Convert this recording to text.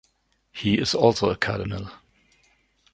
He is also a Cardinal.